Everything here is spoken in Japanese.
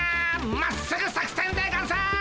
まっすぐ作戦でゴンスっ！